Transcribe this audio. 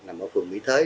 nằm ở phường mỹ thới